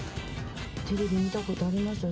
テレビ見たことありますよ